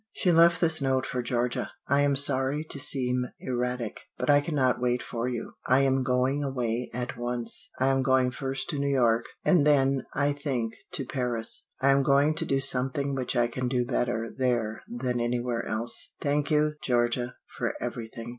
She left this note for Georgia: "I am sorry to seem erratic, but I cannot wait for you. I am going away at once. I am going first to New York, and then, I think, to Paris. I am going to do something which I can do better there than anywhere else. Thank you, Georgia, for everything.